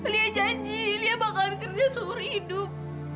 liat janji liat bakalan kerja seumur hidup